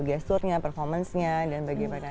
gesturnya performance nya dan bagaimana